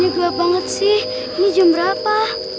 jalannya gelap banget sih ini jam berapa